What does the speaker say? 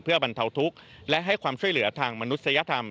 เพื่อบรรเทาทุกข์และให้ความช่วยเหลือทางมนุษยธรรม